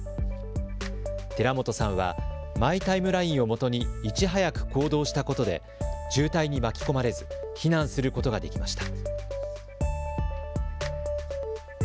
寺本さんはマイ・タイムラインをもとにいち早く行動したことで渋滞に巻き込まれず避難することができました。